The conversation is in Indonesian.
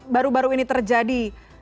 baru baru ini terjadi